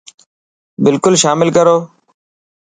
بلڪل شامل ڪرو.